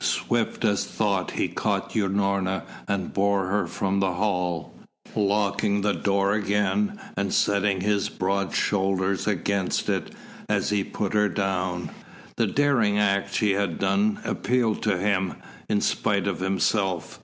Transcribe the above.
Swift as thought he caught Unorna and bore her from the hall, locking the door again and setting his broad shoulders against it, as he put her down. The daring act she had done appealed to him, in spite of himself.